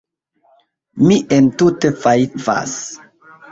Mi entute fajfas.